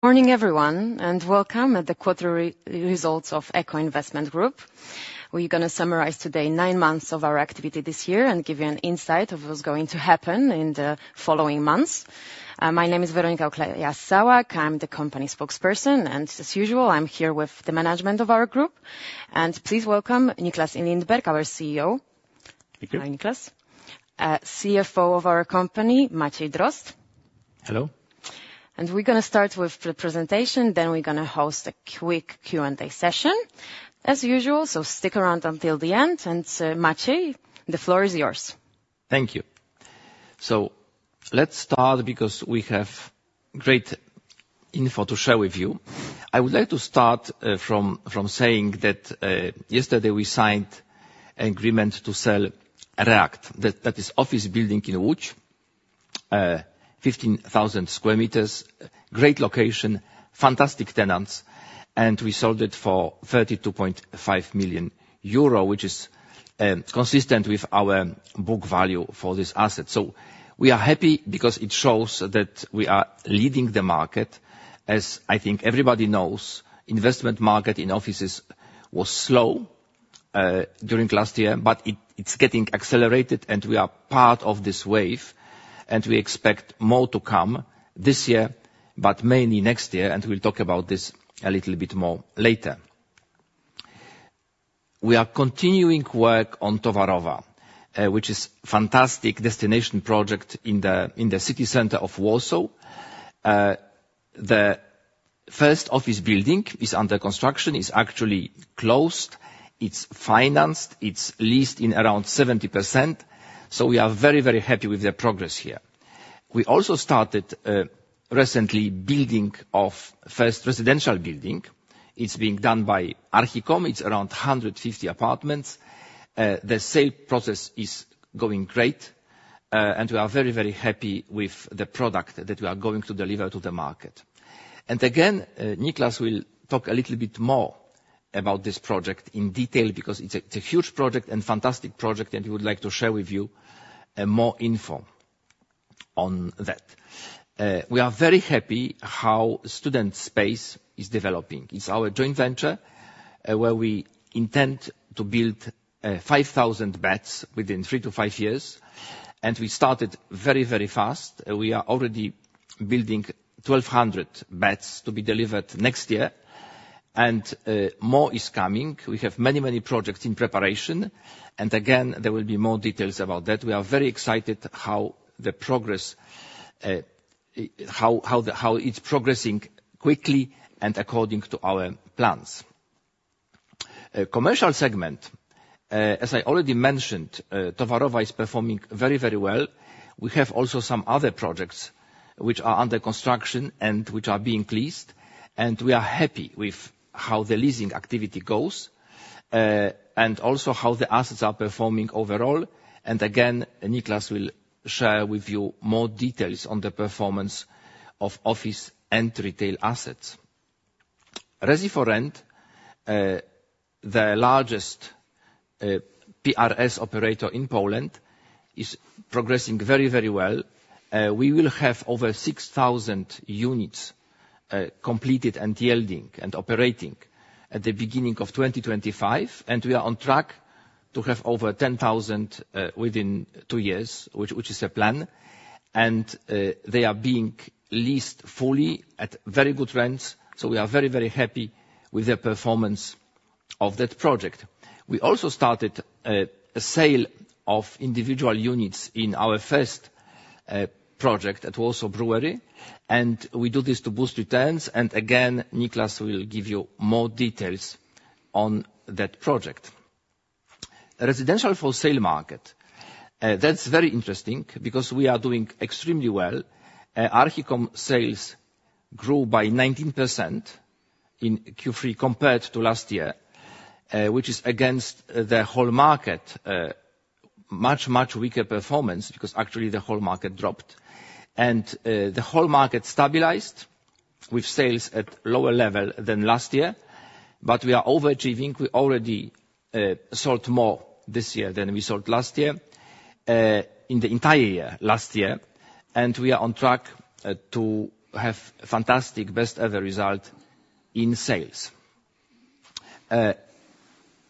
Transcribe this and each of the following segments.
Morning, everyone, and welcome to the quarterly results of Echo Investment Group. We're going to summarize today nine months of our activity this year and give you an insight into what's going to happen in the following months. My name is Weronika Ukleja-Sałak. I'm the company spokesperson, and as usual, I'm here with the management of our group. And please welcome Nicklas Lindberg, our CEO. Thank you. Hi, Nicklas. CFO of our company, Maciej Drozd? Hello. We're going to start with the presentation, then we're going to host a quick Q&A session, as usual, so stick around until the end. Maciej, the floor is yours. Thank you. So let's start because we have great info to share with you. I would like to start from saying that yesterday we signed an agreement to sell React. That is an office building in Łódź, 15,000 square meters, great location, fantastic tenants, and we sold it for 32.5 million euro, which is consistent with our book value for this asset. So we are happy because it shows that we are leading the market. As I think everybody knows, the investment market in offices was slow during last year, but it's getting accelerated, and we are part of this wave, and we expect more to come this year, but mainly next year, and we'll talk about this a little bit more later. We are continuing work on Towarowa, which is a fantastic destination project in the city center of Warsaw. The first office building is under construction, is actually closed, it's financed, it's leased in around 70%, so we are very, very happy with the progress here. We also started recently the building of the first residential building. It's being done by Archicom. It's around 150 apartments. The sale process is going great, and we are very, very happy with the product that we are going to deliver to the market, and again, Nicklas will talk a little bit more about this project in detail because it's a huge project and a fantastic project, and we would like to share with you more info on that. We are very happy how Student Space is developing. It's our joint venture where we intend to build 5,000 beds within three to five years, and we started very, very fast. We are already building 1,200 beds to be delivered next year, and more is coming. We have many, many projects in preparation, and again, there will be more details about that. We are very excited about how it's progressing quickly and according to our plans. Commercial segment, as I already mentioned, Towarowa is performing very, very well. We have also some other projects which are under construction and which are being leased, and we are happy with how the leasing activity goes and also how the assets are performing overall, and again, Nicklas will share with you more details on the performance of office and retail assets. Resi4Rent, the largest PRS operator in Poland, is progressing very, very well. We will have over 6,000 units completed and yielding and operating at the beginning of 2025, and we are on track to have over 10,000 within two years, which is a plan, and they are being leased fully at very good rents, so we are very, very happy with the performance of that project. We also started a sale of individual units in our first project at Warsaw Browary, and we do this to boost returns, and again, Nicklas will give you more details on that project. Residential wholesale market, that's very interesting because we are doing extremely well. Archicom sales grew by 19% in Q3 compared to last year, which is against the whole market, much, much weaker performance because actually the whole market dropped, and the whole market stabilized with sales at a lower level than last year, but we are overachieving. We already sold more this year than we sold last year, in the entire year last year, and we are on track to have a fantastic best-ever result in sales.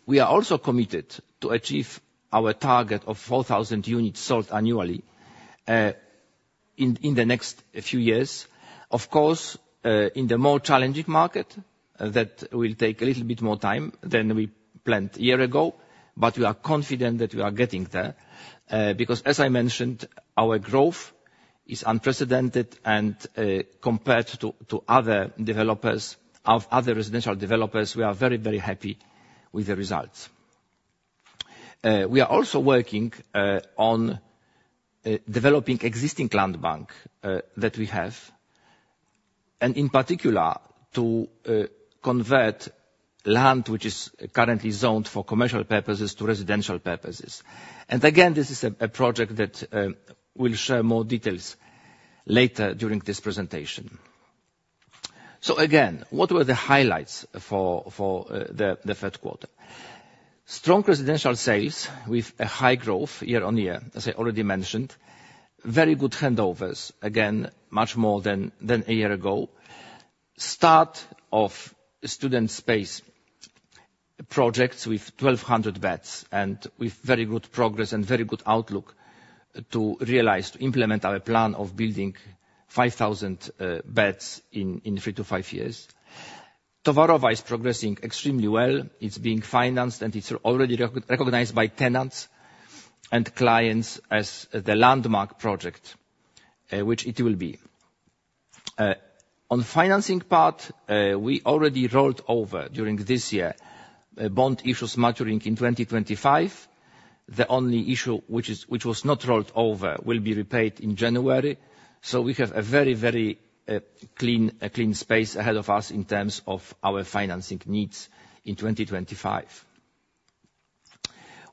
We are also committed to achieve our target of 4,000 units sold annually in the next few years. Of course, in the more challenging market, that will take a little bit more time than we planned a year ago, but we are confident that we are getting there because, as I mentioned, our growth is unprecedented, and compared to other developers, of other residential developers, we are very, very happy with the results. We are also working on developing existing land bank that we have, and in particular to convert land which is currently zoned for commercial purposes to residential purposes, and again, this is a project that we'll share more details later during this presentation. Again, what were the highlights for the third quarter? Strong residential sales with a high growth year on year, as I already mentioned, very good handovers, again, much more than a year ago, start of Student Space projects with 1,200 beds, and with very good progress and very good outlook to realize, to implement our plan of building 5,000 beds in three to five years. Towarowa 22 is progressing extremely well. It's being financed, and it's already recognized by tenants and clients as the landmark project which it will be. On the financing part, we already rolled over during this year bond issues maturing in 2025. The only issue which was not rolled over will be repaid in January, so we have a very, very clean space ahead of us in terms of our financing needs in 2025.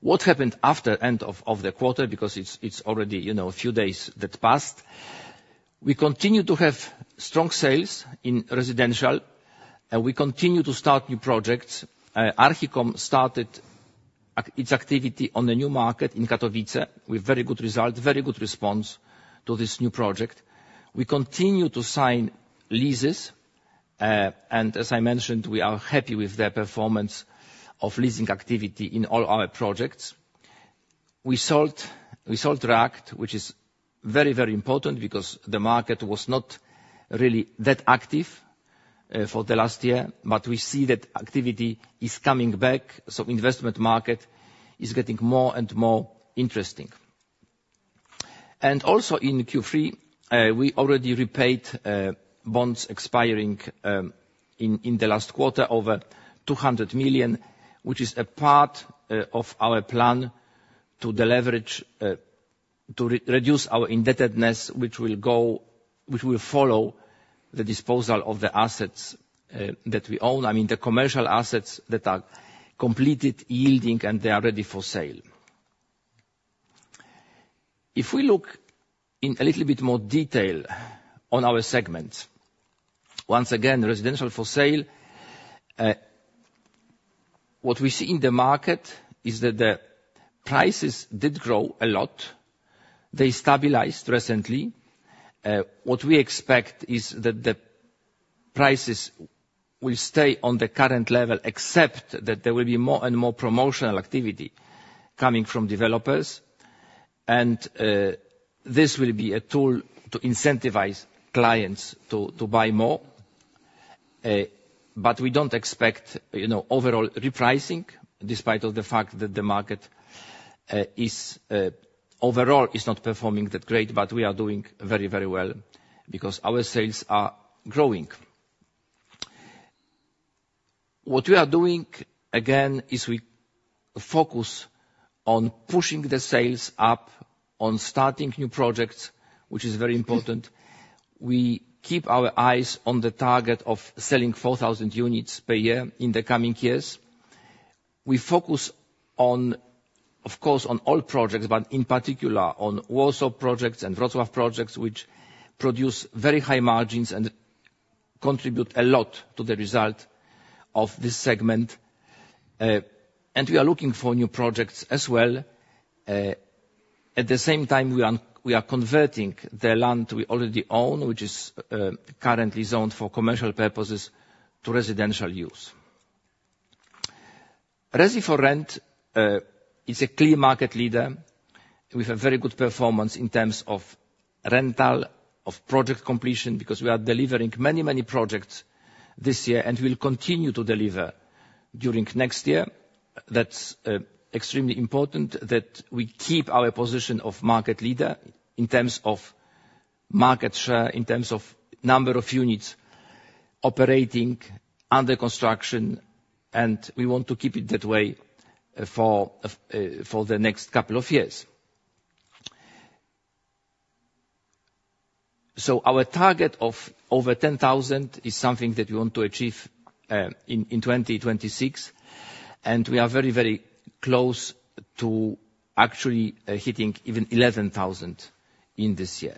What happened after the end of the quarter, because it's already a few days that passed? We continue to have strong sales in residential, and we continue to start new projects. Archicom started its activity on a new market in Katowice with very good results, very good response to this new project. We continue to sign leases, and as I mentioned, we are happy with the performance of leasing activity in all our projects. We sold React, which is very, very important because the market was not really that active for the last year, but we see that activity is coming back, so the investment market is getting more and more interesting. And also in Q3, we already repaid bonds expiring in the last quarter over 200 million, which is a part of our plan to reduce our indebtedness, which will follow the disposal of the assets that we own, I mean the commercial assets that are completed, yielding, and they are ready for sale. If we look in a little bit more detail on our segments, once again, residential for sale, what we see in the market is that the prices did grow a lot. They stabilized recently. What we expect is that the prices will stay on the current level, except that there will be more and more promotional activity coming from developers, and this will be a tool to incentivize clients to buy more. But we don't expect overall repricing, despite the fact that the market overall is not performing that great, but we are doing very, very well because our sales are growing. What we are doing, again, is we focus on pushing the sales up, on starting new projects, which is very important. We keep our eyes on the target of selling 4,000 units per year in the coming years. We focus, of course, on all projects, but in particular on Warsaw projects and Wrocław projects, which produce very high margins and contribute a lot to the result of this segment. And we are looking for new projects as well. At the same time, we are converting the land we already own, which is currently zoned for commercial purposes, to residential use. Resi4Rent, it's a clear market leader. We have very good performance in terms of rental, of project completion, because we are delivering many, many projects this year and will continue to deliver during next year. That's extremely important that we keep our position of market leader in terms of market share, in terms of number of units operating under construction, and we want to keep it that way for the next couple of years. Our target of over 10,000 is something that we want to achieve in 2026, and we are very, very close to actually hitting even 11,000 in this year.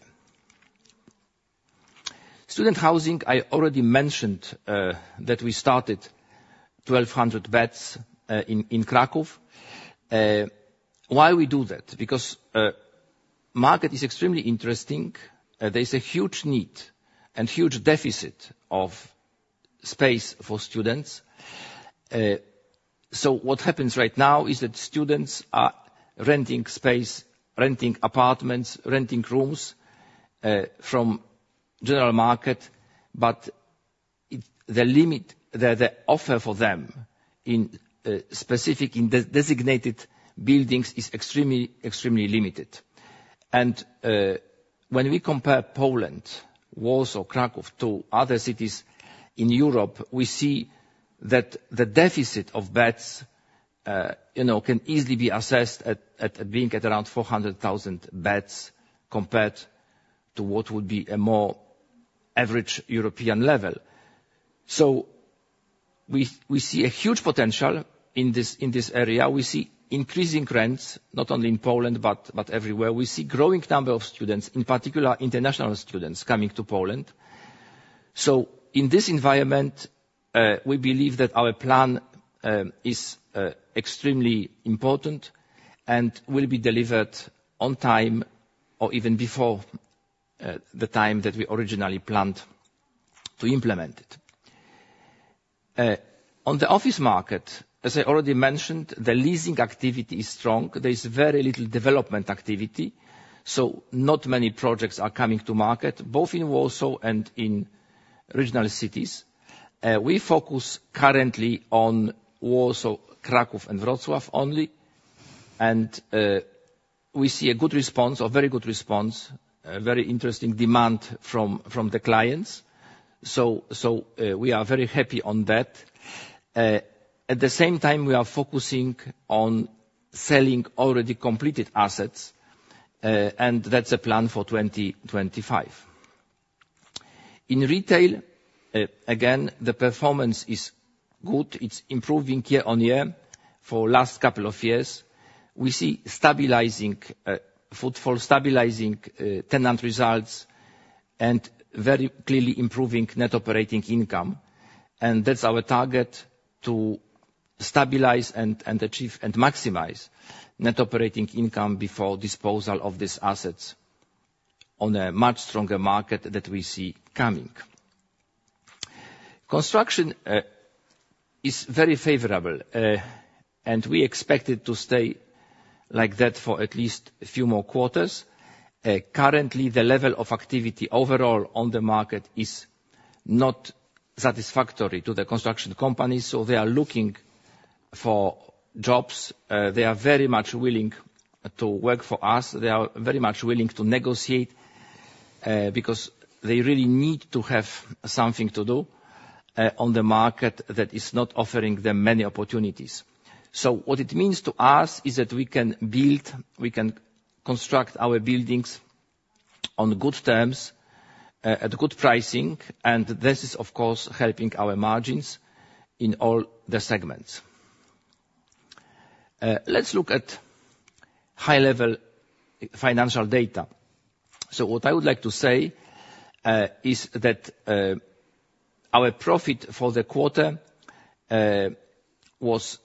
Student housing, I already mentioned that we started 1,200 beds in Kraków. Why we do that? Because the market is extremely interesting. There's a huge need and huge deficit of space for students. So what happens right now is that students are renting space, renting apartments, renting rooms from the general market, but the offer for them in specific, in designated buildings is extremely limited. And when we compare Poland, Warsaw, Kraków to other cities in Europe, we see that the deficit of beds can easily be assessed at being at around 400,000 beds compared to what would be a more average European level. So we see a huge potential in this area. We see increasing rents, not only in Poland, but everywhere. We see a growing number of students, in particular international students, coming to Poland. So in this environment, we believe that our plan is extremely important and will be delivered on time or even before the time that we originally planned to implement it. On the office market, as I already mentioned, the leasing activity is strong. There is very little development activity, so not many projects are coming to market, both in Warsaw and in regional cities. We focus currently on Warsaw, Kraków, and Wrocław only, and we see a good response, a very good response, very interesting demand from the clients, so we are very happy on that. At the same time, we are focusing on selling already completed assets, and that's a plan for 2025. In retail, again, the performance is good. It's improving year on year for the last couple of years. We see stabilizing footfall, stabilizing tenant results, and very clearly improving net operating income, and that's our target to stabilize and achieve and maximize net operating income before disposal of these assets on a much stronger market that we see coming. Construction is very favorable, and we expect it to stay like that for at least a few more quarters. Currently, the level of activity overall on the market is not satisfactory to the construction companies, so they are looking for jobs. They are very much willing to work for us. They are very much willing to negotiate because they really need to have something to do on the market that is not offering them many opportunities. So what it means to us is that we can build, we can construct our buildings on good terms at good pricing, and this is, of course, helping our margins in all the segments. Let's look at high-level financial data. So what I would like to say is that our profit for the quarter was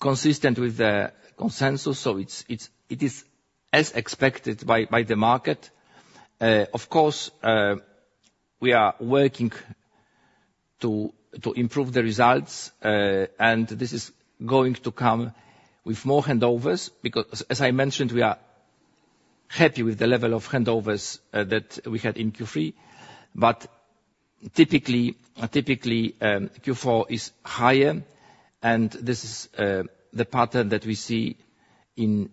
consistent with the consensus, so it is as expected by the market. Of course, we are working to improve the results, and this is going to come with more handovers because, as I mentioned, we are happy with the level of handovers that we had in Q3, but typically Q4 is higher, and this is the pattern that we see in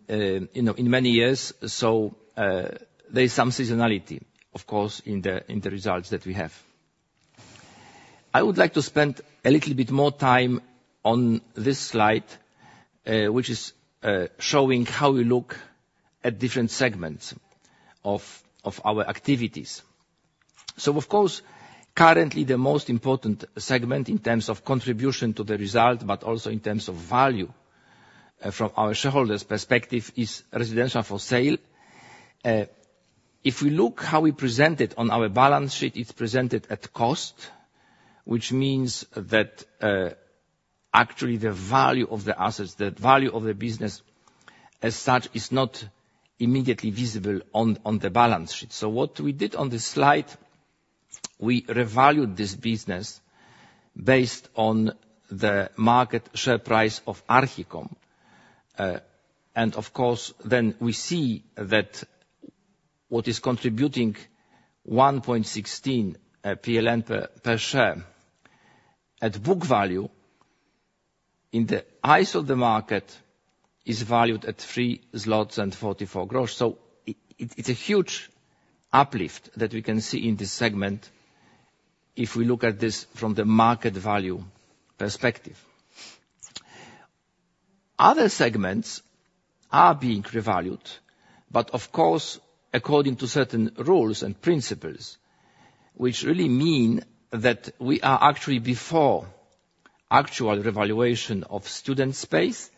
many years, so there is some seasonality, of course, in the results that we have. I would like to spend a little bit more time on this slide, which is showing how we look at different segments of our activities. So, of course, currently the most important segment in terms of contribution to the result, but also in terms of value from our shareholders' perspective, is residential for sale. If we look at how we present it on our balance sheet, it's presented at cost, which means that actually the value of the assets, the value of the business as such, is not immediately visible on the balance sheet. So what we did on this slide, we revalued this business based on the market share price of Archicom, and of course, then we see that what is contributing 1.16 PLN per share at book value in the eyes of the market is valued at 3.44 zloty, so it's a huge uplift that we can see in this segment if we look at this from the market value perspective. Other segments are being revalued, but of course, according to certain rules and principles, which really mean that we are actually before actual revaluation of Student Space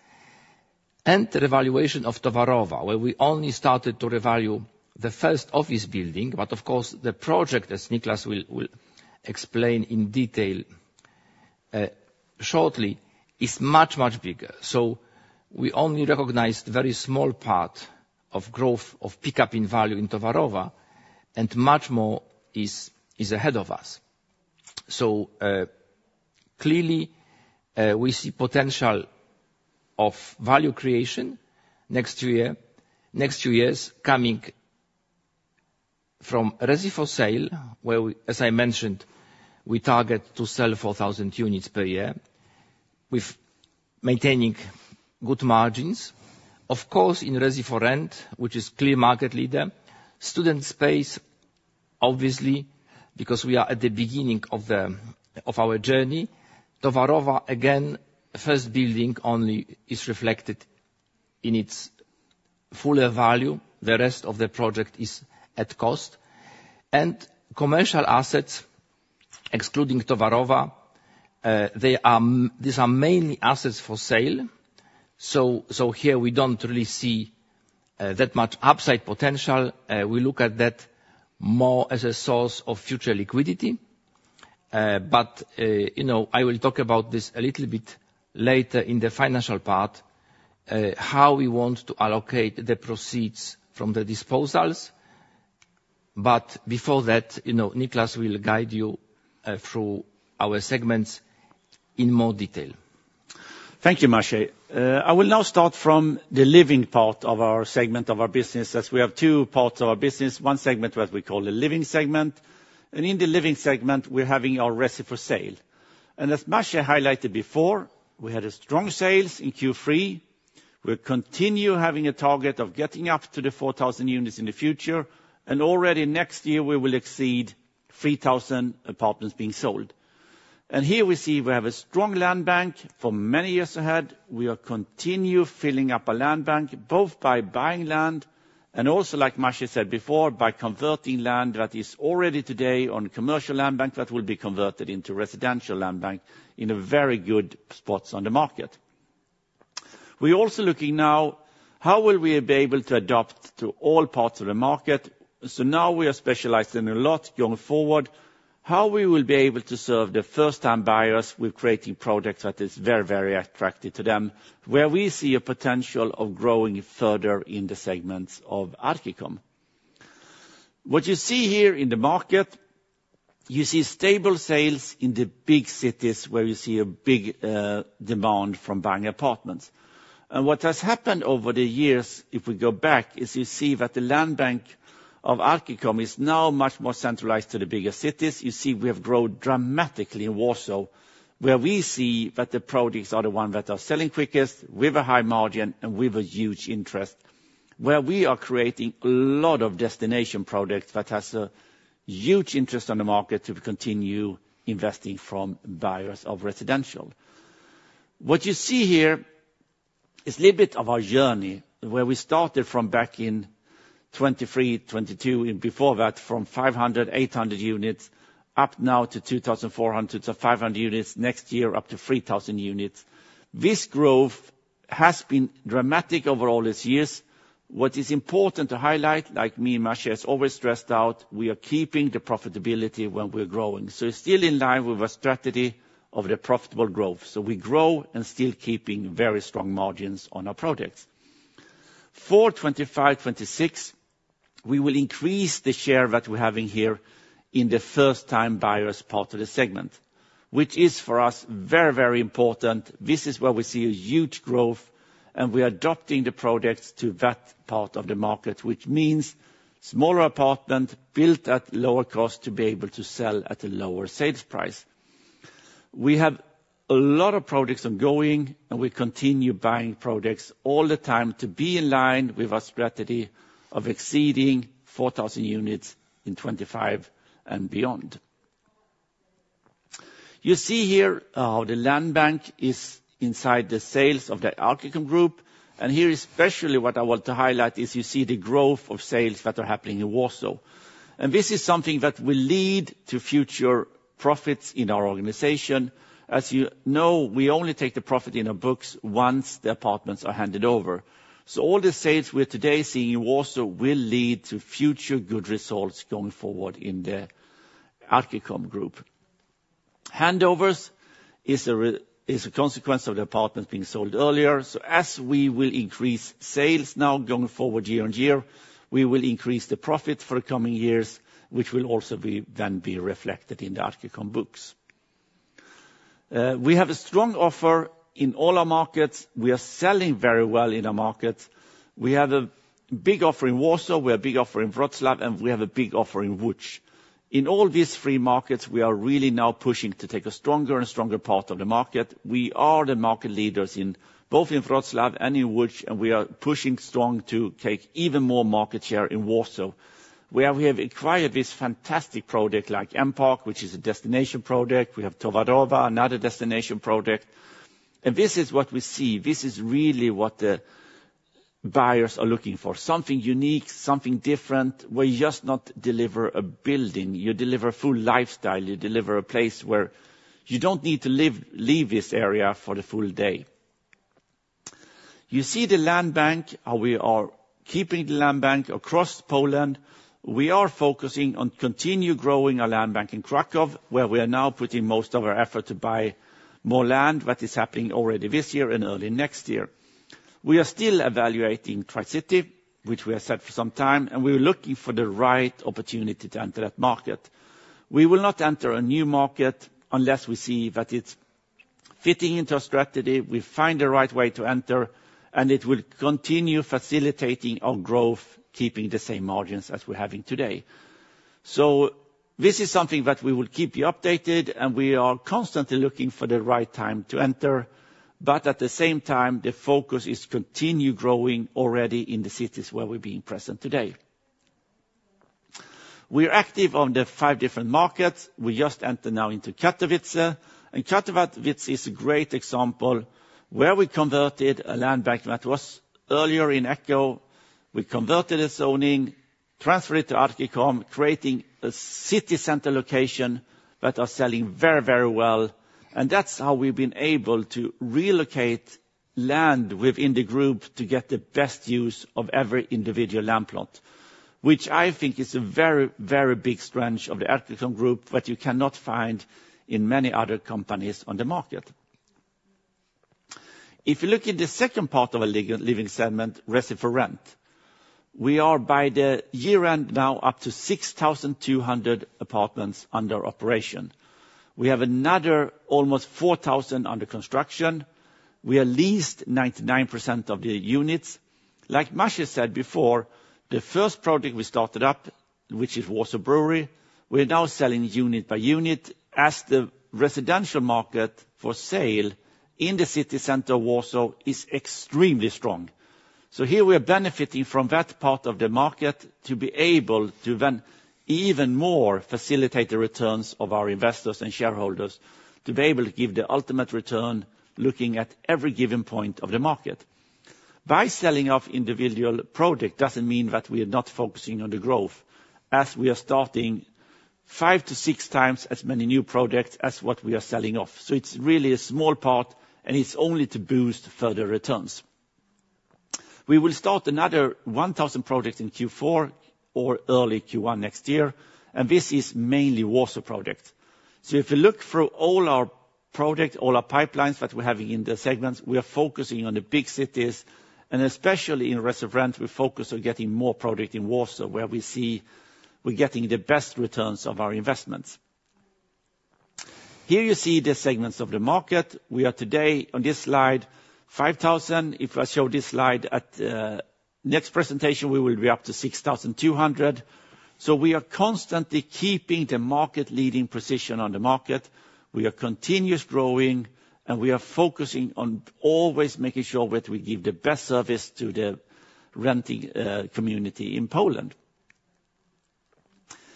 and revaluation of Towarowa, where we only started to revalue the first office building, but of course, the project, as Nicklas will explain in detail shortly, is much, much bigger. So we only recognized a very small part of growth of pickup in value in Towarowa, and much more is ahead of us. So clearly, we see potential of value creation next few years, coming from Resi4Sale, where, as I mentioned, we target to sell 4,000 units per year with maintaining good margins. Of course, in Resi4Rent, which is a clear market leader, Student Space, obviously, because we are at the beginning of our journey, Towarowa, again, first building only, is reflected in its full value. The rest of the project is at cost. And commercial assets, excluding Towarowa, these are mainly assets for sale, so here we don't really see that much upside potential. We look at that more as a source of future liquidity, but I will talk about this a little bit later in the financial part, how we want to allocate the proceeds from the disposals. But before that, Nicklas will guide you through our segments in more detail. Thank you, Maciej. I will now start from the living part of our segment of our business, as we have two parts of our business. One segment that we call the living segment, and in the living segment, we're having our Resi4Sale. And as Maciej highlighted before, we had strong sales in Q3. We'll continue having a target of getting up to the 4,000 units in the future, and already next year, we will exceed 3,000 apartments being sold. And here we see we have a strong land bank for many years ahead. We are continuing to fill up our land bank, both by buying land and also, like Maciej said before, by converting land that is already today on commercial land bank that will be converted into residential land bank in very good spots on the market. We're also looking now at how will we be able to adapt to all parts of the market. So now we are specialized in a lot going forward, how we will be able to serve the first-time buyers with creating projects that are very, very attractive to them, where we see a potential of growing further in the segments of Archicom. What you see here in the market, you see stable sales in the big cities where you see a big demand from buying apartments. What has happened over the years, if we go back, is you see that the land bank of Archicom is now much more centralized to the bigger cities. You see we have grown dramatically in Warsaw, where we see that the projects are the ones that are selling quickest, with a high margin and with a huge interest, where we are creating a lot of destination projects that have a huge interest on the market to continue investing from buyers of residential. What you see here is a little bit of our journey, where we started from back in 2023, 2022, and before that, from 500, 800 units up now to 2,400-2500 units, next year up to 3,000 units. This growth has been dramatic over all these years. What is important to highlight, like me and Maciej have always stressed out, we are keeping the profitability when we're growing, so it's still in line with our strategy of profitable growth, so we grow and still keep very strong margins on our projects. For 2025, 2026, we will increase the share that we're having here in the first-time buyers part of the segment, which is for us very, very important. This is where we see a huge growth, and we are adapting the projects to that part of the market, which means smaller apartments built at lower cost to be able to sell at a lower sales price. We have a lot of projects ongoing, and we continue buying projects all the time to be in line with our strategy of exceeding 4,000 units in 2025 and beyond. You see here how the land bank is inside the sales of the Archicom Group, and here especially what I want to highlight is you see the growth of sales that are happening in Warsaw, and this is something that will lead to future profits in our organization. As you know, we only take the profit in our books once the apartments are handed over, so all the sales we're today seeing in Warsaw will lead to future good results going forward in the Archicom Group. Handovers are a consequence of the apartments being sold earlier, so as we will increase sales now going forward year on year, we will increase the profit for the coming years, which will also then be reflected in the Archicom books. We have a strong offer in all our markets. We are selling very well in our markets. We have a big offer in Warsaw. We have a big offer in Wrocław, and we have a big offer in Łódź. In all these three markets, we are really now pushing to take a stronger and stronger part of the market. We are the market leaders both in Wrocław and in Łódź, and we are pushing strong to take even more market share in Warsaw, where we have acquired this fantastic project like Empark, which is a destination project. We have Towarowa, another destination project. And this is what we see. This is really what the buyers are looking for: something unique, something different. We just don't deliver a building. You deliver a full lifestyle. You deliver a place where you don't need to leave this area for the full day. You see the land bank. We are keeping the land bank across Poland. We are focusing on continuing to grow our land bank in Kraków, where we are now putting most of our effort to buy more land, which is happening already this year and early next year. We are still evaluating Tri-City, which we have said for some time, and we are looking for the right opportunity to enter that market. We will not enter a new market unless we see that it's fitting into our strategy. We find the right way to enter, and it will continue facilitating our growth, keeping the same margins as we're having today. So this is something that we will keep you updated, and we are constantly looking for the right time to enter, but at the same time, the focus is continuing to grow already in the cities where we're being present today. We are active on the five different markets. We just entered now into Katowice, and Katowice is a great example where we converted a land bank that was earlier in Echo. We converted its ownership, transferred it to Archicom, creating a city center location that is selling very, very well. And that's how we've been able to relocate land within the group to get the best use of every individual land plot, which I think is a very, very big strength of the Archicom Group that you cannot find in many other companies on the market. If you look at the second part of our living segment, Resi4Rent, we are by the year-end now up to 6,200 apartments under operation. We have another almost 4,000 under construction. We have leased 99% of the units. Like Maciej said before, the first project we started up, which is Warsaw Browary, we're now selling unit by unit as the residential market for sale in the city center of Warsaw is extremely strong. So here we are benefiting from that part of the market to be able to even more facilitate the returns of our investors and shareholders to be able to give the ultimate return looking at every given point of the market. By selling off individual projects, it doesn't mean that we are not focusing on the growth, as we are starting five to six times as many new projects as what we are selling off. So it's really a small part, and it's only to boost further returns. We will start another 1,000 projects in Q4 or early Q1 next year, and this is mainly Warsaw projects. If you look through all our projects, all our pipelines that we're having in the segments, we are focusing on the big cities, and especially in Resi4Rent, we focus on getting more projects in Warsaw where we see we're getting the best returns of our investments. Here you see the segments of the market. We are today on this slide, 5,000. If I show this slide at the next presentation, we will be up to 6,200. We are constantly keeping the market-leading position on the market. We are continuously growing, and we are focusing on always making sure that we give the best service to the renting community in Poland.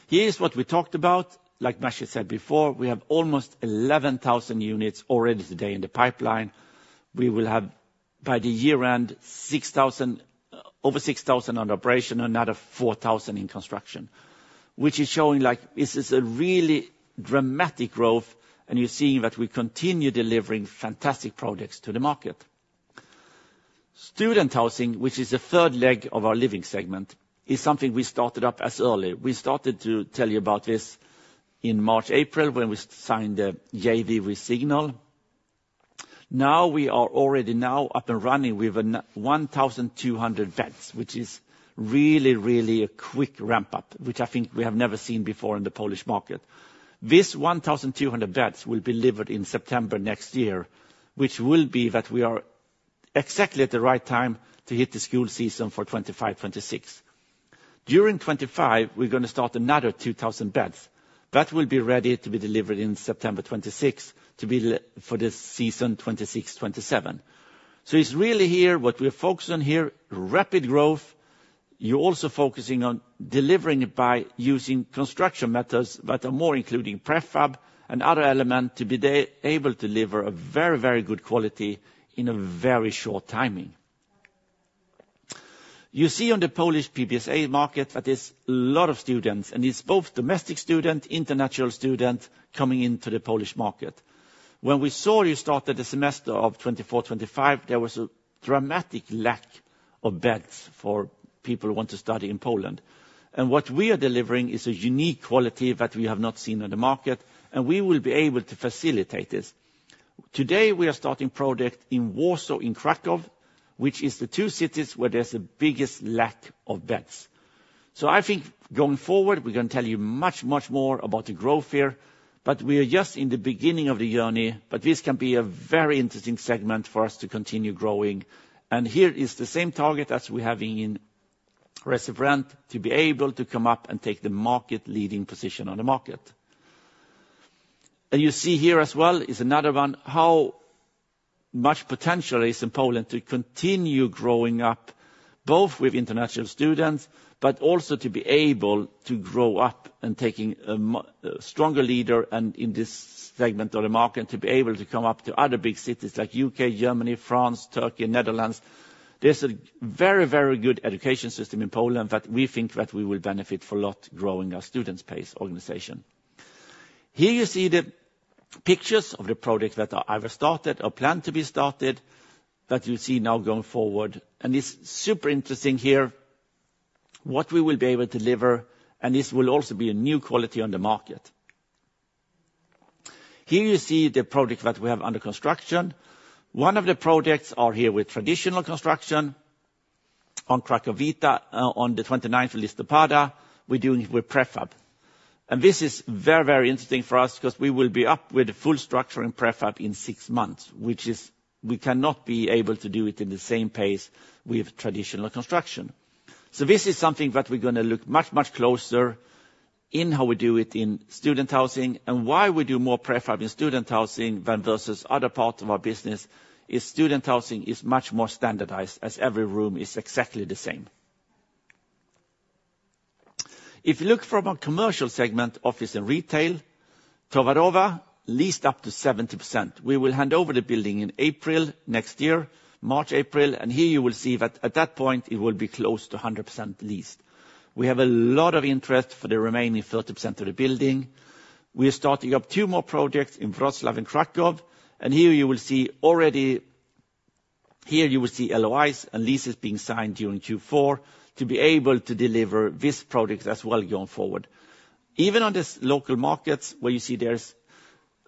Here's what we talked about. Like Maciej said before, we have almost 11,000 units already today in the pipeline. We will have by the year-end over 6,000 under operation and another 4,000 in construction, which is showing like this is a really dramatic growth, and you're seeing that we continue delivering fantastic projects to the market. Student housing, which is the third leg of our living segment, is something we started up as early. We started to tell you about this in March, April when we signed the JV with Signal Capital Partners. Now we are already now up and running with 1,200 beds, which is really, really a quick ramp-up, which I think we have never seen before in the Polish market. This 1,200 beds will be delivered in September next year, which will be that we are exactly at the right time to hit the school season for 2025, 2026. During 2025, we're going to start another 2,000 beds that will be ready to be delivered in September 2026 for the season 2026, 2027. So it's really here what we're focused on here, rapid growth. You're also focusing on delivering it by using construction methods that are more including prefab and other elements to be able to deliver a very, very good quality in a very short timing. You see on the Polish PBSA market that there's a lot of students, and it's both domestic students, international students coming into the Polish market. When we saw you started the semester of 2024, 2025, there was a dramatic lack of beds for people who want to study in Poland, and what we are delivering is a unique quality that we have not seen on the market, and we will be able to facilitate this. Today, we are starting a project in Warsaw, in Kraków, which is the two cities where there's the biggest lack of beds, so I think going forward, we're going to tell you much, much more about the growth here, but we are just in the beginning of the journey, but this can be a very interesting segment for us to continue growing, and here is the same target that we're having in Resi4Rent to be able to come up and take the market-leading position on the market, and you see here as well is another one, how much potential there is in Poland to continue growing up both with international students, but also to be able to grow up and take a stronger leader in this segment of the market and to be able to come up to other big cities like the UK, Germany, France, Turkey, Netherlands. There's a very, very good education system in Poland that we think that we will benefit from growing our student base organization. Here you see the pictures of the projects that are either started or planned to be started that you see now going forward. It's super interesting here what we will be able to deliver, and this will also be a new quality on the market. Here you see the project that we have under construction. One of the projects is here with traditional construction on Kraków Vita. On the 29 Listopada we're doing with prefab. This is very, very interesting for us because we will be up with a full structure in prefab in six months, which is we cannot be able to do it in the same pace with traditional construction. This is something that we're going to look much, much closer in how we do it in student housing. Why we do more prefab in student housing versus other parts of our business is student housing is much more standardized as every room is exactly the same. If you look from a commercial segment, office and retail, Towarowa leased up to 70%. We will hand over the building in April next year, March, April, and here you will see that at that point it will be close to 100% leased. We have a lot of interest for the remaining 30% of the building. We are starting up two more projects in Wrocław and Kraków, and here you will see already LOIs and leases being signed during Q4 to be able to deliver these projects as well going forward. Even on these local markets where you see there's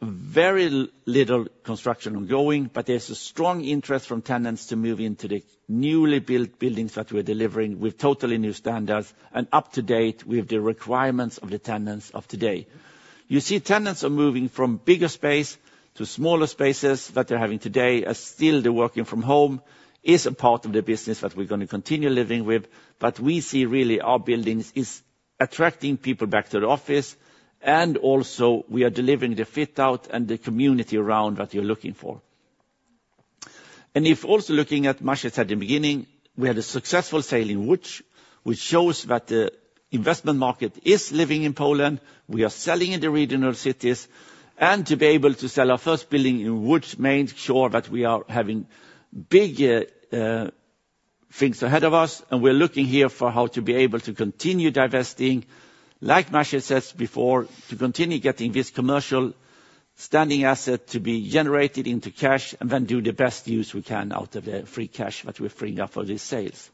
very little construction ongoing, but there's a strong interest from tenants to move into the newly built buildings that we're delivering with totally new standards and up to date with the requirements of the tenants of today. You see tenants are moving from bigger space to smaller spaces that they're having today as still the working from home is a part of the business that we're going to continue living with, but we see really our buildings are attracting people back to the office, and also we are delivering the fit-out and the community around that you're looking for. And if also looking at what Maciej said at the beginning, we had a successful sale in Łódź, which shows that the investment market is living in Poland. We are selling in the regional cities, and to be able to sell our first building in Łódź, make sure that we are having bigger things ahead of us, and we're looking here for how to be able to continue divesting, like Maciej said before, to continue getting this commercial standing asset to be generated into cash and then do the best use we can out of the free cash that we're freeing up for these sales.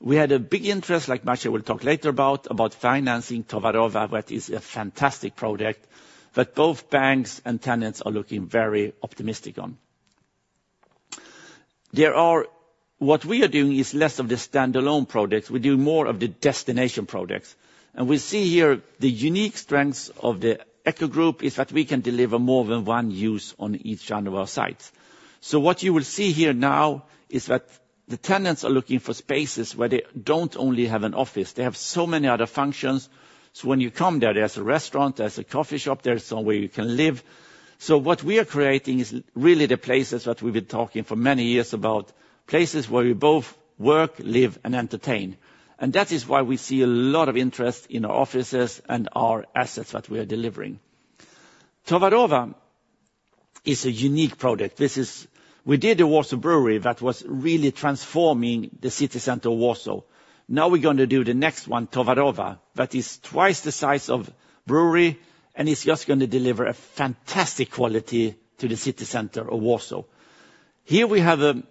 We had a big interest, like Maciej will talk later about, about financing Towarowa, which is a fantastic project that both banks and tenants are looking very optimistic on. What we are doing is less of the standalone projects. We do more of the destination projects. And we see here the unique strengths of the Echo Group is that we can deliver more than one use on each one of our sites. So what you will see here now is that the tenants are looking for spaces where they don't only have an office. They have so many other functions. So when you come there, there's a restaurant, there's a coffee shop, there's somewhere you can live. So what we are creating is really the places that we've been talking for many years about, places where we both work, live, and entertain. And that is why we see a lot of interest in our offices and our assets that we are delivering. Towarowa is a unique project. We did a Warsaw Browary that was really transforming the city center of Warsaw. Now we're going to do the next one, Towarowa, that is twice the size of Browary, and it's just going to deliver a fantastic quality to the city center of Warsaw. Here we have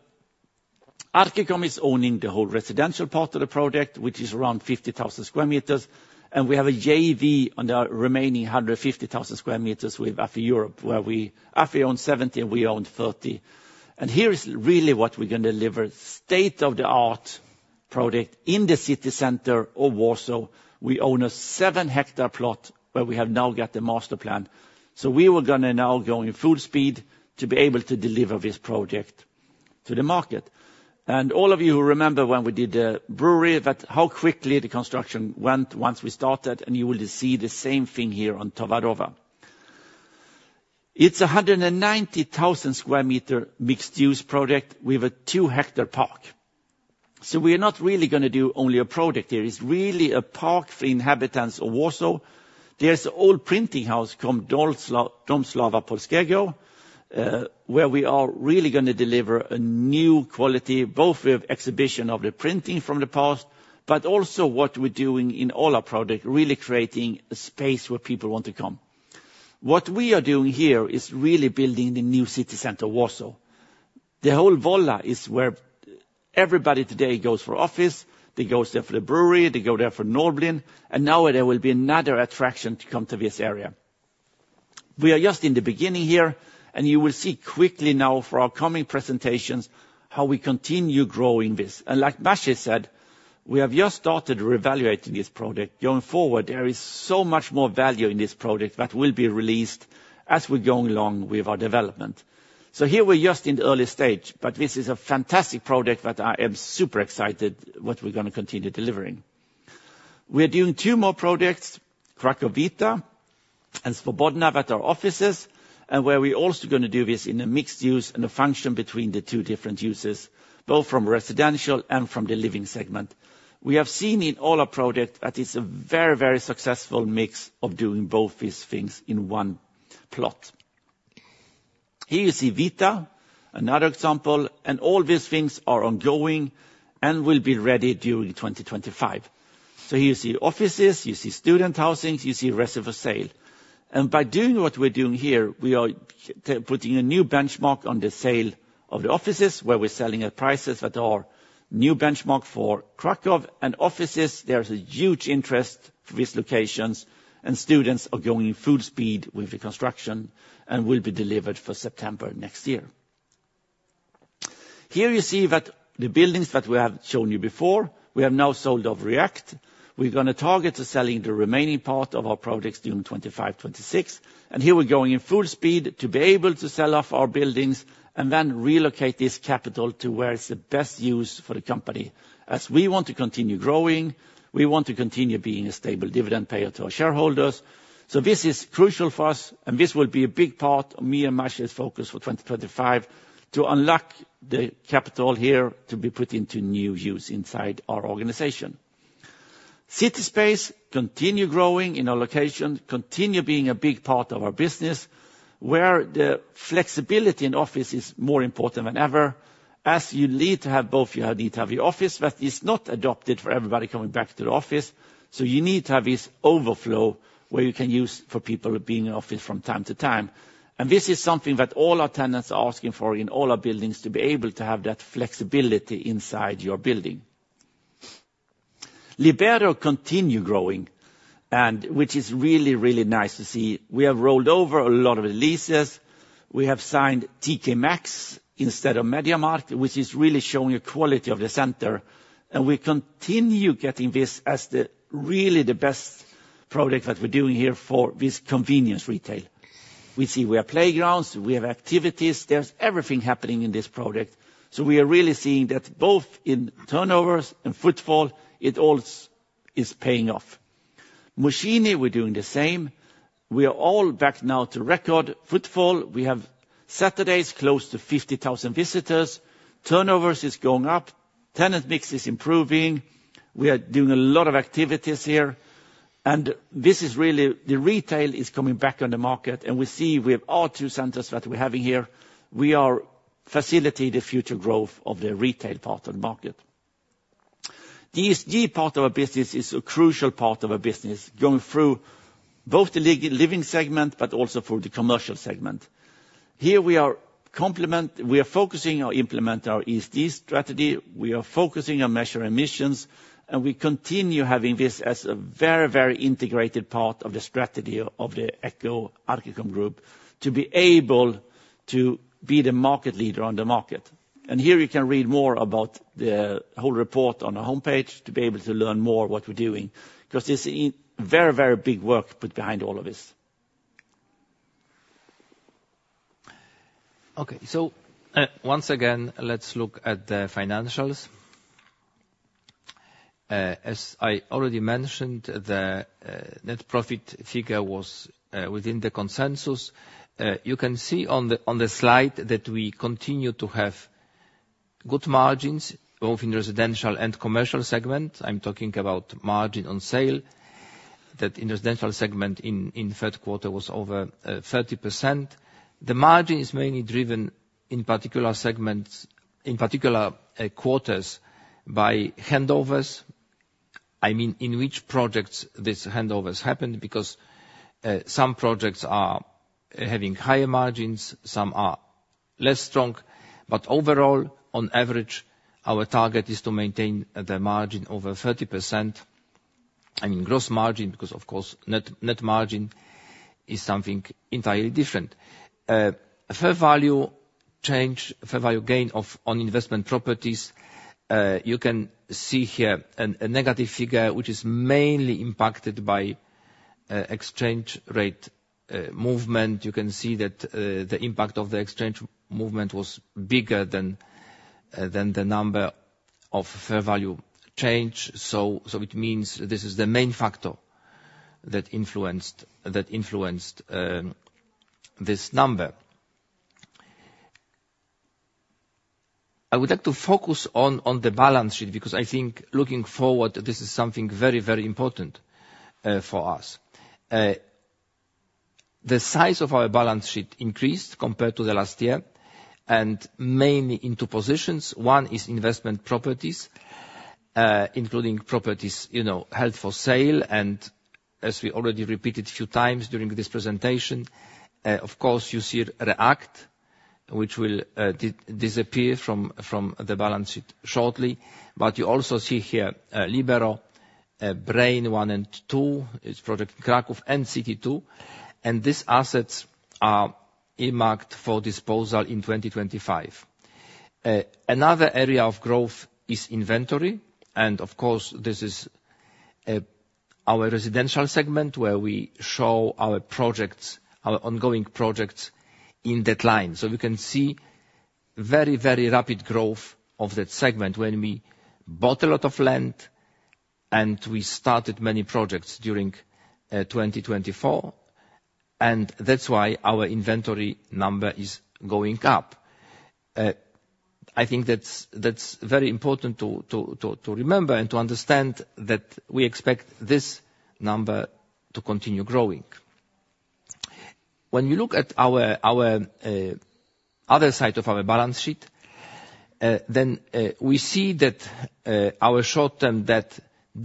Archicom owning the whole residential part of the project, which is around 50,000 sq m, and we have a JV on the remaining 150,000 sq m with AFI Europe, where AFI Europe owned 70 and we owned 30. Here is really what we're going to deliver, state-of-the-art project in the city center of Warsaw. We own a seven-hectare plot where we have now got the master plan. We were going to now go in full speed to be able to deliver this project to the market. All of you who remember when we did the Browary, how quickly the construction went once we started, and you will see the same thing here on Towarowa. It's a 190,000 sq m mixed-use project with a two-hectare park. We are not really going to do only a project here. It's really a park for inhabitants of Warsaw. There's an old printing house from Dom Słowa Polskiego, where we are really going to deliver a new quality, both with exhibition of the printing from the past, but also what we're doing in all our project, really creating a space where people want to come. What we are doing here is really building the new city center of Warsaw. The whole Wola is where everybody today goes for office. They go there for the Browary. They go there for Norblin. And now there will be another attraction to come to this area. We are just in the beginning here, and you will see quickly now for our coming presentations how we continue growing this. And like Maciej said, we have just started reevaluating this project. Going forward, there is so much more value in this project that will be released as we're going along with our development. So here we're just in the early stage, but this is a fantastic project that I am super excited what we're going to continue delivering. We're doing two more projects, Kraków Vita and Swobodna that are offices, and where we're also going to do this in a mixed use and a function between the two different uses, both from residential and from the living segment. We have seen in all our projects that it's a very, very successful mix of doing both these things in one plot. Here you see Vita, another example, and all these things are ongoing and will be ready during 2025. So here you see offices, you see student housing, you see residential sale. And by doing what we're doing here, we are putting a new benchmark on the sale of the offices where we're selling at prices that are new benchmark for Kraków and offices. There's a huge interest for these locations, and students are going in full speed with the construction and will be delivered for September next year. Here you see that the buildings that we have shown you before, we have now sold off React. We're going to target to selling the remaining part of our projects during 2025, 2026, and here we're going in full speed to be able to sell off our buildings and then relocate this capital to where it's the best use for the company as we want to continue growing. We want to continue being a stable dividend payer to our shareholders. So this is crucial for us, and this will be a big part of me and Maciej's focus for 2025 to unlock the capital here to be put into new use inside our organization. CitySpace, continue growing in our location, continue being a big part of our business where the flexibility in office is more important than ever. As you need to have both, you need to have your office that is not adapted for everybody coming back to the office. So you need to have this overflow where you can use for people being in office from time to time. And this is something that all our tenants are asking for in all our buildings to be able to have that flexibility inside your building. Libero continue growing, which is really, really nice to see. We have rolled over a lot of the leases. We have signed TK Maxx instead of MediaMarkt, which is really showing the quality of the center. And we continue getting this as really the best project that we're doing here for this convenience retail. We see we have playgrounds, we have activities, there's everything happening in this project. So we are really seeing that both in turnovers and footfall, it all is paying off. Galeria Młociny, we're doing the same. We are all back now to record footfall. We have Saturdays close to 50,000 visitors. Turnovers is going up. Tenant mix is improving. We are doing a lot of activities here. And this is really the retail is coming back on the market. And we see with our two centers that we're having here, we are facilitating the future growth of the retail part of the market. The ESG part of our business is a crucial part of our business going through both the living segment, but also for the commercial segment. Here we are complement, we are focusing on implementing our ESG strategy. We are focusing on measuring emissions, and we continue having this as a very, very integrated part of the strategy of the Echo Archicom Group to be able to be the market leader on the market. And here you can read more about the whole report on our homepage to be able to learn more what we're doing because there's very, very big work put behind all of this. Okay, so once again, let's look at the financials. As I already mentioned, the net profit figure was within the consensus. You can see on the slide that we continue to have good margins both in residential and commercial segment. I'm talking about margin on sale that in residential segment in third quarter was over 30%. The margin is mainly driven in particular segments, in particular quarters by handovers. I mean, in which projects these handovers happened because some projects are having higher margins, some are less strong. But overall, on average, our target is to maintain the margin over 30%. I mean, gross margin because, of course, net margin is something entirely different. Fair value change, fair value gain on investment properties. You can see here a negative figure, which is mainly impacted by exchange rate movement. You can see that the impact of the exchange movement was bigger than the number of fair value change. So it means this is the main factor that influenced this number. I would like to focus on the balance sheet because I think looking forward, this is something very, very important for us. The size of our balance sheet increased compared to the last year and mainly in two positions. One is investment properties, including properties held for sale, and as we already repeated a few times during this presentation, of course, you see React, which will disappear from the balance sheet shortly, but you also see here Libero, Brain One and Two, its project in Kraków and City 2. And these assets are earmarked for disposal in 2025. Another area of growth is inventory, and of course, this is our residential segment where we show our projects, our ongoing projects in development, so we can see very, very rapid growth of that segment when we bought a lot of land and we started many projects during 2024. That's why our inventory number is going up. I think that's very important to remember and to understand that we expect this number to continue growing. When you look at our other side of our balance sheet, then we see that our short-term debt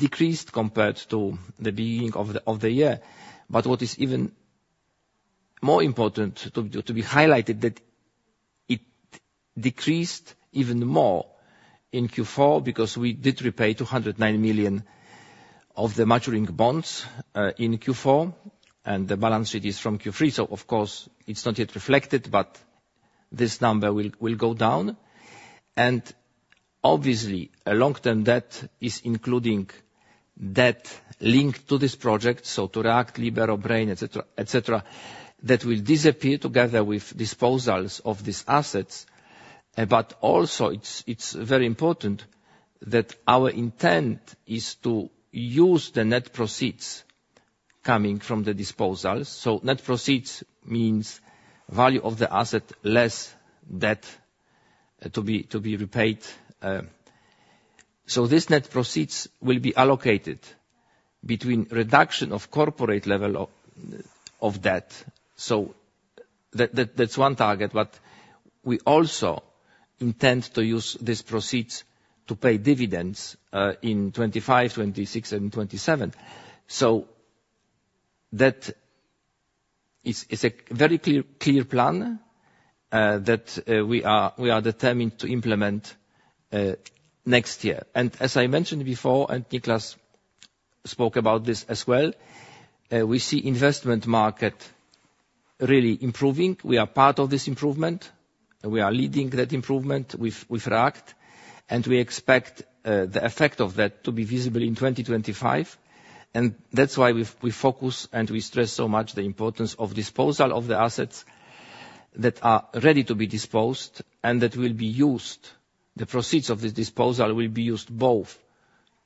decreased compared to the beginning of the year. What is even more important to be highlighted is that it decreased even more in Q4 because we did repay 209 million of the maturing bonds in Q4. The balance sheet is from Q3. So of course, it's not yet reflected, but this number will go down. Obviously, a long-term debt is including debt linked to this project, so to React, Libero, Brain, etc., that will disappear together with disposals of these assets. Also, it's very important that our intent is to use the net proceeds coming from the disposals. So net proceeds means value of the asset less debt to be repaid. So these net proceeds will be allocated between reduction of corporate level of debt. So that's one target. But we also intend to use these proceeds to pay dividends in 2025, 2026, and 2027. So that is a very clear plan that we are determined to implement next year. And as I mentioned before, and Nicklas spoke about this as well, we see investment market really improving. We are part of this improvement. We are leading that improvement with React. And we expect the effect of that to be visible in 2025. And that's why we focus and we stress so much the importance of disposal of the assets that are ready to be disposed and that will be used. The proceeds of this disposal will be used both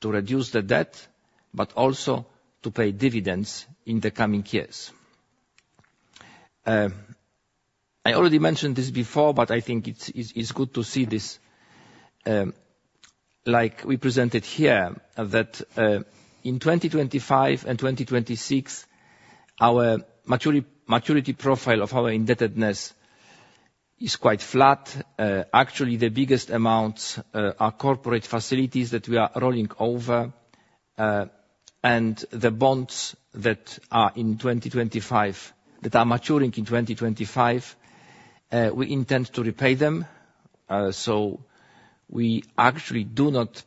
to reduce the debt, but also to pay dividends in the coming years. I already mentioned this before, but I think it's good to see this, like we presented here, that in 2025 and 2026, our maturity profile of our indebtedness is quite flat. Actually, the biggest amounts are corporate facilities that we are rolling over and the bonds that are in 2025, that are maturing in 2025. We intend to repay them. So we actually do not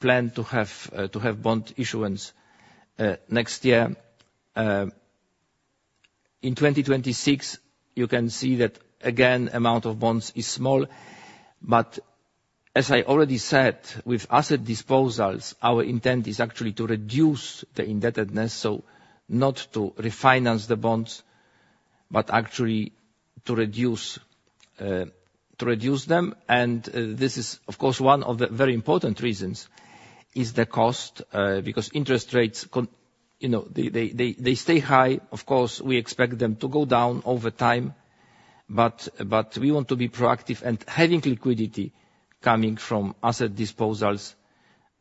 plan to have bond issuance next year. In 2026, you can see that again, the amount of bonds is small. But as I already said, with asset disposals, our intent is actually to reduce the indebtedness, so not to refinance the bonds, but actually to reduce them. And this is, of course, one of the very important reasons is the cost because interest rates, they stay high. Of course, we expect them to go down over time, but we want to be proactive and having liquidity coming from asset disposals.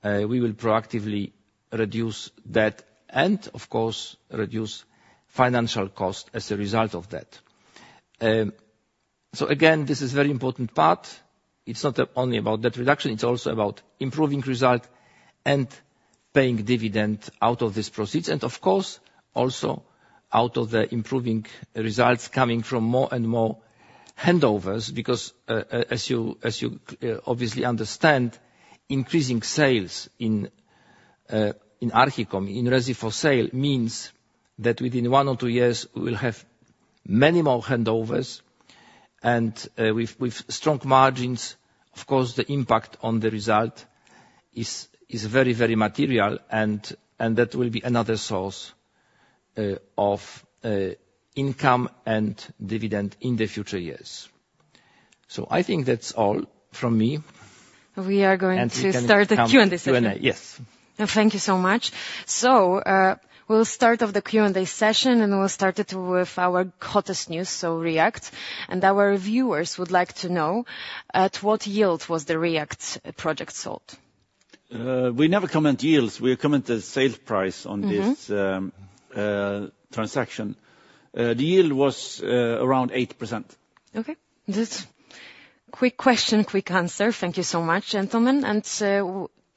We will proactively reduce debt and, of course, reduce financial cost as a result of that, so again, this is a very important part. It's not only about debt reduction, it's also about improving results and paying dividends out of these proceeds, and of course, also out of the improving results coming from more and more handovers because, as you obviously understand, increasing sales in Archicom, in ready for sale, means that within one or two years, we will have many more handovers and with strong margins. Of course, the impact on the result is very, very material, and that will be another source of income and dividend in the future years. I think that's all from me. We are going to start the Q&A session. Yes. Thank you so much. We'll start off the Q&A session, and we'll start it with our hottest news, so React. Our viewers would like to know at what yield was the React project sold? We never comment yields. We comment the sales price on this transaction. The yield was around 8%. Okay. That's a quick question, quick answer. Thank you so much, gentlemen.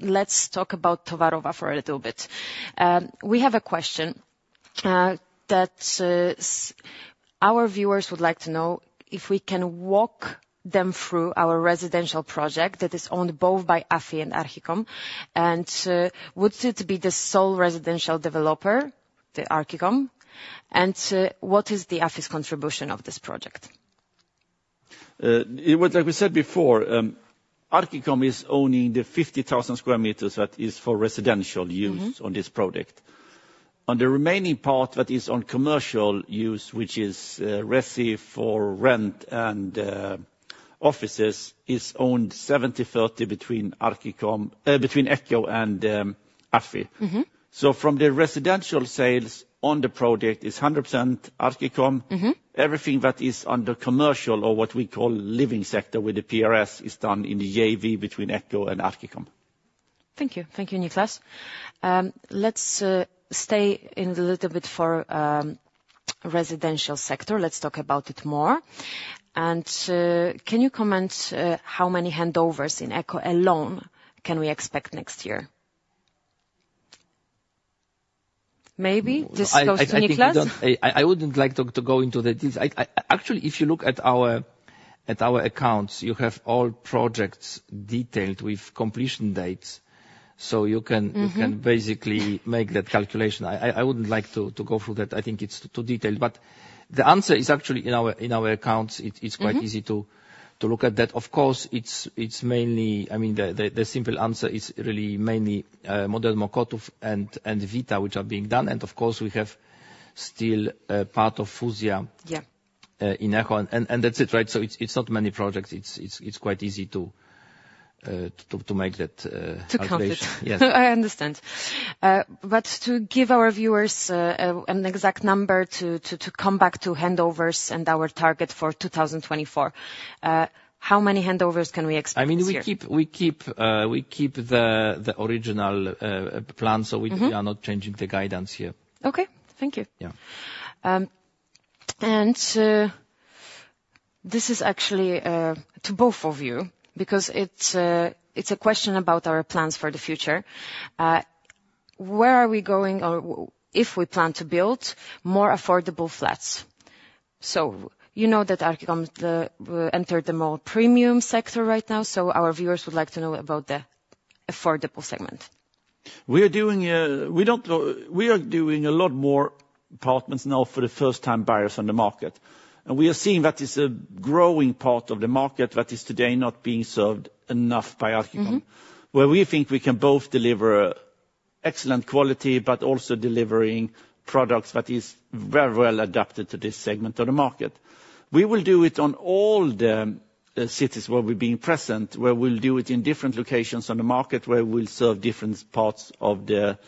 Let's talk about Towarowa for a little bit. We have a question that our viewers would like to know if we can walk them through our residential project that is owned both by AFI and Archicom. And would it be the sole residential developer, the Archicom? And what is the AFI's contribution of this project? Like we said before, Archicom is owning the 50,000 sq m that is for residential use on this project. On the remaining part that is on commercial use, which is Resi4Rent and offices, is owned 70/30 between Echo and AFI. So from the residential sales on the project, it's 100% Archicom. Everything that is under commercial or what we call living sector with the PRS is done in the JV between Echo and Archicom. Thank you. Thank you, Nicklas. Let's stay in a little bit for residential sector. Let's talk about it more. And can you comment how many handovers in Echo alone can we expect next year? Maybe? Discuss with Nicklas? I wouldn't like to go into the details. Actually, if you look at our accounts, you have all projects detailed with completion dates. So you can basically make that calculation. I wouldn't like to go through that. I think it's too detailed. But the answer is actually in our accounts. It's quite easy to look at that. Of course, it's mainly, I mean, the simple answer is really mainly Modern Mokotów and Vita, which are being done. And of course, we have still part of Fuzja in Echo. And that's it, right? So it's not many projects. It's quite easy to make that calculation. To count it. I understand. But to give our viewers an exact number to come back to handovers and our target for 2024, how many handovers can we expect? I mean, we keep the original plan, so we are not changing the guidance here. Okay. Thank you. This is actually to both of you because it's a question about our plans for the future. Where are we going if we plan to build more affordable flats? You know that Archicom entered the more premium sector right now. Our viewers would like to know about the affordable segment. We are doing a lot more apartments now for the first-time buyers on the market. We are seeing that it's a growing part of the market that is today not being served enough by Archicom, where we think we can both deliver excellent quality but also delivering products that are very well adapted to this segment of the market. We will do it on all the cities where we've been present, where we'll do it in different locations on the market, where we'll serve different parts of the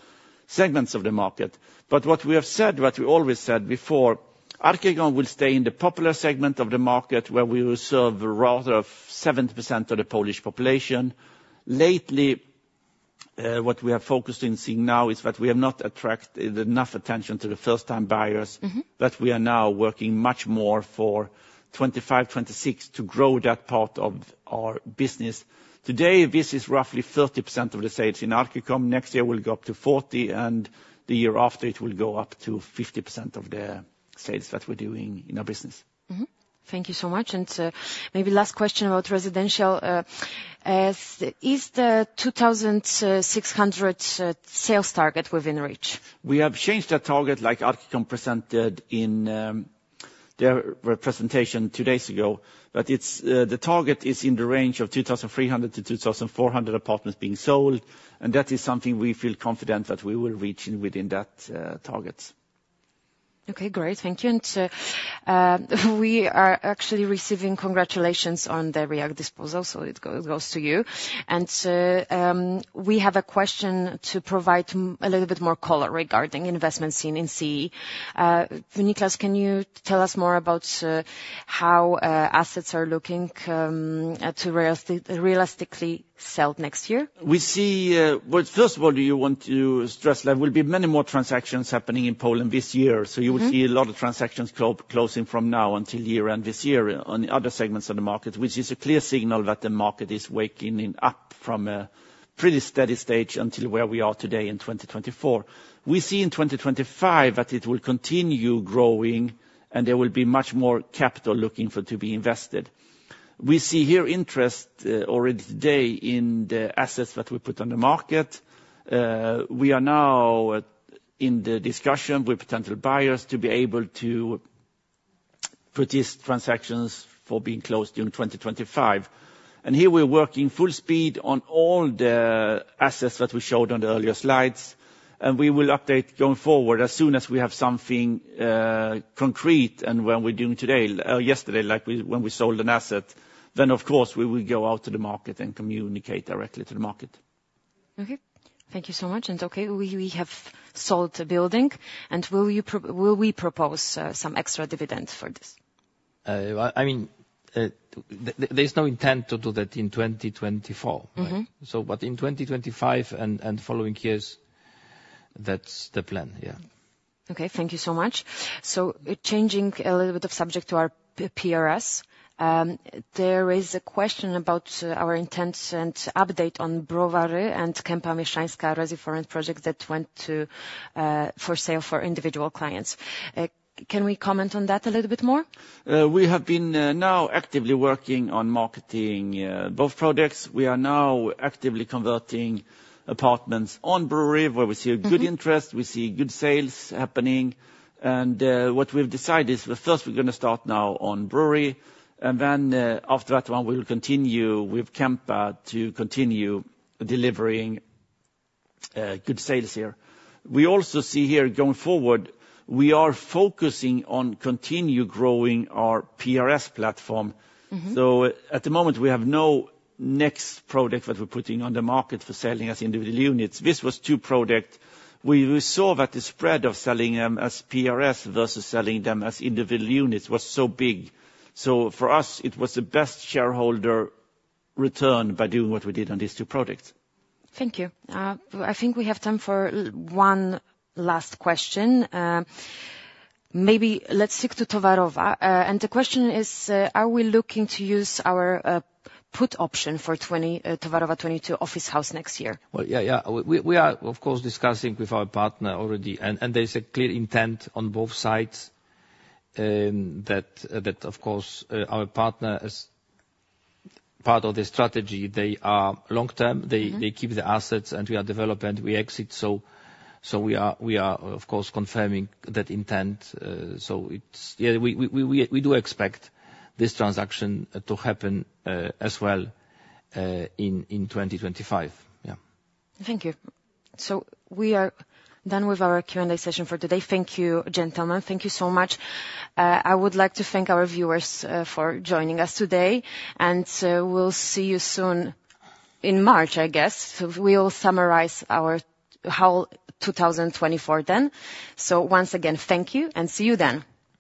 segments of the market. But what we have said, what we always said before, Archicom will stay in the popular segment of the market where we will serve rather 70% of the Polish population. Lately, what we have focused on seeing now is that we have not attracted enough attention to the first-time buyers, that we are now working much more for 25, 26 to grow that part of our business. Today, this is roughly 30% of the sales in Archicom. Next year, we'll go up to 40, and the year after, it will go up to 50% of the sales that we're doing in our business. Thank you so much. And maybe last question about residential. Is the 2,600 sales target within reach? We have changed that target like Archicom presented in their presentation two days ago. But the target is in the range of 2,300-2,400 apartments being sold. That is something we feel confident that we will reach within that target. Okay, great. Thank you. We are actually receiving congratulations on the React disposal, so it goes to you. We have a question to provide a little bit more color regarding investment scene in CEE. Nicklas, can you tell us more about how assets are looking to realistically sell next year? We see, first of all, you want to stress that there will be many more transactions happening in Poland this year. So you will see a lot of transactions closing from now until year-end this year on other segments of the market, which is a clear signal that the market is waking up from a pretty steady stage until where we are today in 2024. We see in 2025 that it will continue growing and there will be much more capital looking to be invested. We see here interest already today in the assets that we put on the market. We are now in the discussion with potential buyers to be able to produce transactions for being closed in 2025. And here we're working full speed on all the assets that we showed on the earlier slides. And we will update going forward as soon as we have something concrete and when we're doing today, yesterday, like when we sold an asset, then of course we will go out to the market and communicate directly to the market. Okay. Thank you so much. And okay, we have sold a building. And will we propose some extra dividend for this? I mean, there's no intent to do that in 2024. But in 2025 and following years, that's the plan. Yeah. Okay, thank you so much. So changing a little bit of subject to our PRS, there is a question about our intent and update on Browary and Kępa Mieszczańska Resi4Rent projects that went for sale for individual clients. Can we comment on that a little bit more? We have been now actively working on marketing both projects. We are now actively converting apartments on Browary, where we see good interest, we see good sales happening. And what we've decided is first we're going to start now on Browary. And then after that, we will continue with Kępa to continue delivering good sales here. We also see here going forward, we are focusing on continuing growing our PRS platform. So at the moment, we have no next project that we're putting on the market for selling as individual units. This was two projects. We saw that the spread of selling them as PRS versus selling them as individual units was so big, so for us, it was the best shareholder return by doing what we did on these two projects. Thank you. I think we have time for one last question. Maybe let's stick to Towarowa, and the question is, are we looking to use our put option for Towarowa 22 Office House next year? Well, yeah, yeah. We are, of course, discussing with our partner already, and there's a clear intent on both sides that, of course, our partner, as part of the strategy, they are long-term. They keep the assets and we are developed and we exit, so we are, of course, confirming that intent, so we do expect this transaction to happen as well in 2025. Yeah. Thank you. We are done with our Q&A session for today. Thank you, gentlemen. Thank you so much. I would like to thank our viewers for joining us today. And we'll see you soon in March, I guess. So we'll summarize how 2024 then. So once again, thank you and see you then.